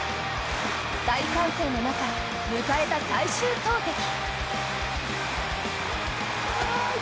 大歓声の中迎えた最終投てき。